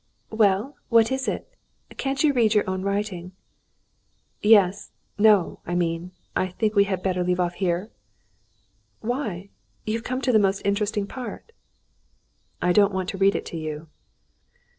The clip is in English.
"Well, what is it? Can't you read your own writing?" "Yes no, I mean. I think we had better leave off here?" "Why? You've come to the most interesting part." "I don't want to read it to you."